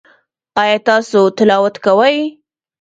ایا تاسو تلاوت کوئ؟